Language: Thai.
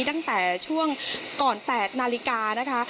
ตั้งแต่ช่วงก่อน๘นาฬิกานะคะ